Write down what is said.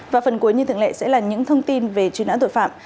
và phần cuối như thường lệ sẽ là những thông tin về truy nã tội phạm